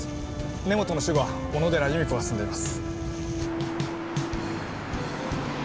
根本の死後は小野寺由美子が住んでいます。